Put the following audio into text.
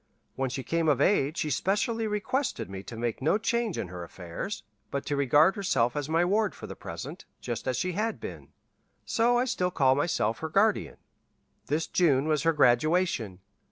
When she came of age she specially requested me to make no change in her affairs, but to regard herself as my ward for the present, just as she had been. So I still call myself her guardian. This June was her graduation.